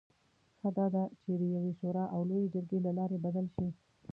ښه دا ده چې د یوې شورا او لویې جرګې له لارې بدل شي.